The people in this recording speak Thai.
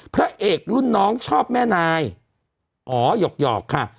พระเอกรุ่นน้องชอบแม่นายอ๋อหยอกค่ะ